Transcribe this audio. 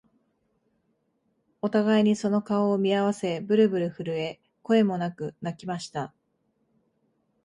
お互いにその顔を見合わせ、ぶるぶる震え、声もなく泣きました